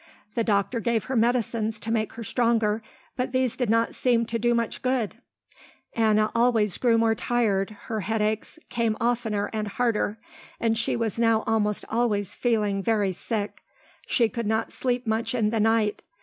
The doctor gave her medicines to make her stronger but these did not seem to do much good. Anna grew always more tired, her headaches came oftener and harder, and she was now almost always feeling very sick. She could not sleep much in the night.